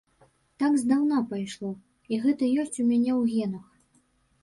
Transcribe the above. Так здаўна пайшло, і гэта ёсць у мяне ў генах.